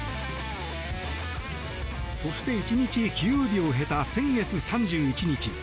そして、１日休養日を経た先月３１日。